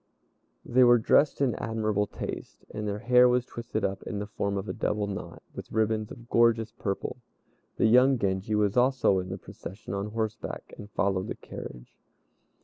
They were dressed in admirable taste, and their hair was twisted up in the form of a double knot, with ribbons of gorgeous purple. The young Genji was also in the procession on horseback, and followed the carriage.